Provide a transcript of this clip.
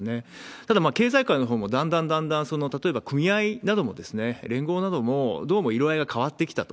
ただ、経済界のほうもだんだんだんだん、例えば組合なども、連合なども、どうも色合いが変わってきたと。